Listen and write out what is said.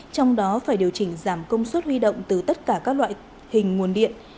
trong đó phải điều chỉnh giảm công suất huy động từ tất cả các loại hình nguồn điện